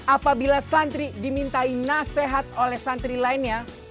apabila santri dimintai nasihat oleh santri lainnya